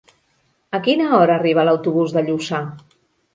A quina hora arriba l'autobús de Lluçà?